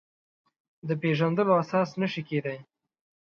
د پېژندلو اساس نه شي کېدای.